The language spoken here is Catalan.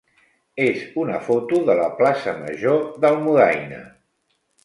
és una foto de la plaça major d'Almudaina.